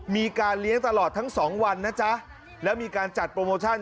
มีการเลี้ยงตลอดทั้งสองวันนะจ๊ะแล้วมีการจัดโปรโมชั่น